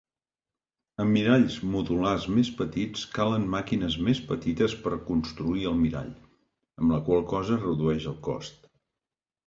Amb miralls modulars més petits calen màquines més petites per construir el mirall, amb la qual cosa es redueix el cost.